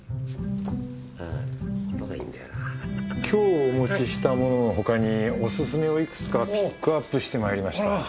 今日お持ちしたものの他にオススメをいくつかピックアップしてまいりました。